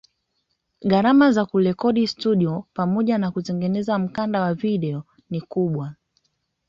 Gharama za kurekodi nyimbo studio pamoja na kutengeneza mkanda wa video ni kubwa